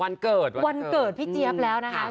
วันเกิดวันเกิดพี่เจี๊ยบแล้วนะคะ